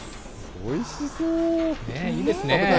おいしそう。